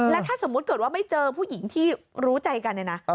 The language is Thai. แล้วถ้าสมมุติเกิดว่าไม่เจอผู้หญิงที่รู้ใจกันเนี่ยนะ